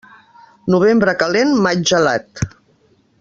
Novembre calent, maig gelat.